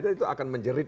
itu akan menjerit